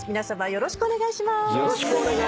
よろしくお願いします。